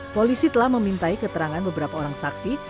polisi telah memintai keterangan beberapa orang saksi